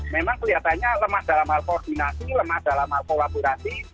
memang kelihatannya lemah dalam hal koordinasi lemah dalam hal kolaborasi